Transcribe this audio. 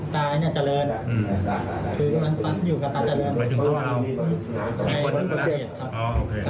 ไปถึงเจ้าร้าวอีกคนหนึ่งก็ได้ครับอ๋อโอเค